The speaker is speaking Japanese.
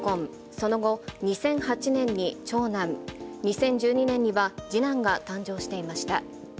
その後、２００８年に長男、２０１２年には次男が誕生していました。